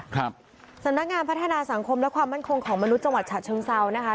ครับสำนักงานพัฒนาสังคมและความมั่นคงของมนุษย์จังหวัดฉะเชิงเซานะคะ